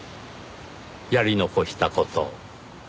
やり残した事。